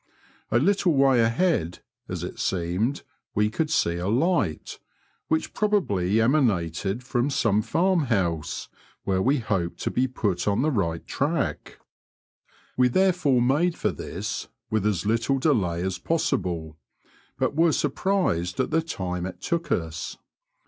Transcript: A little way ahead, as it seemed, we could see a light, which probably emanated from some farm house, where we hoped to be put on the right track. We therefore made for this with as little delay as possible, but were surprised at the time it took us.